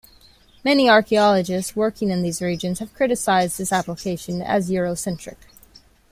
Many archaeologists working in these regions have criticized this application as eurocentric.